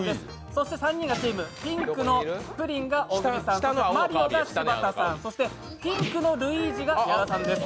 そして３人がチーム、ピンクのプリンが小栗さんマリオが柴田さん、そしてピンクのルイージが矢田さんです。